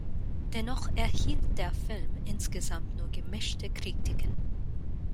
Dennoch erhielt der Film insgesamt nur gemischte Kritiken.